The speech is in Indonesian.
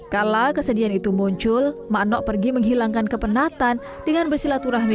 kala kesedihan itu muncul makno pergi menghilangkan kepenatan dengan bersilaturahmi